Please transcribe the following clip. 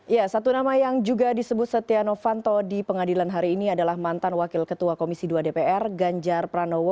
ya satu nama yang juga disebut setia novanto di pengadilan hari ini adalah mantan wakil ketua komisi dua dpr ganjar pranowo